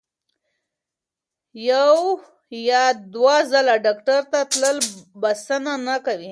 یو یا دوه ځله ډاکټر ته تلل بسنه نه کوي.